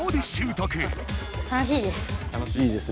楽しいです。